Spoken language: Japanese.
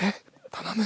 頼む！